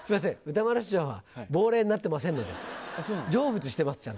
歌丸師匠は亡霊になってませんので成仏してますちゃんと。